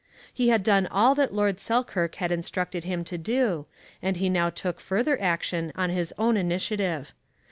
He had done all that Lord Selkirk had instructed him to do, and he now took further action on his own initiative.